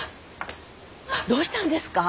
どうしたんですか？